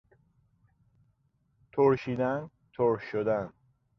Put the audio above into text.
ترشیدن، ترش شدن